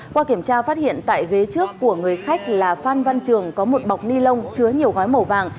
qua kiểm tra phát hiện tại ghế trước của người khách là phan văn trường có một bọc ni lông chứa nhiều gói màu vàng